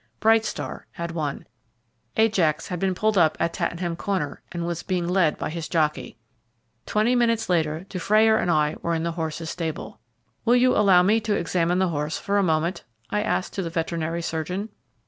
Bright Star had won. Ajax had been pulled up at Tattenham Corner, and was being led by his jockey. Twenty minutes later Dufrayer and I were in the horse's stable. "Will you allow me to examine the horse for a moment?" I said to the veterinary surgeon.